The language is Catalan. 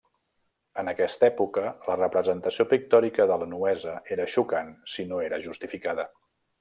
En aquesta època, la representació pictòrica de la nuesa era xocant si no era justificada.